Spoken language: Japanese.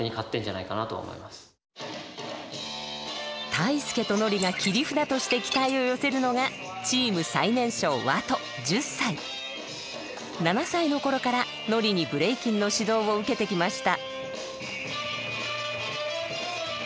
ＴＡＩＳＵＫＥとＮＯＲＩが切り札として期待を寄せるのがチーム最年少７歳の頃からＮＯＲＩにブレイキンの指導を受けてきました。